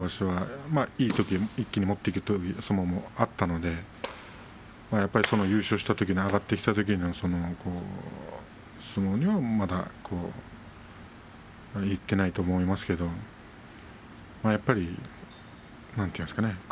少しは今場所はいいときは一気に持っていけている相撲もあったので優勝して上がってきたときの相撲にはいっていないと思いますけれどやっぱり、なんていうんですかね